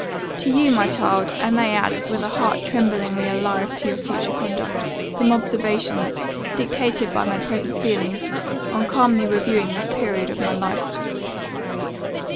To you, my child, I may add, with a heart tremblingly alive to your future conduct, some observations, dictated by my present feelings, on calmly reviewing this period of my life.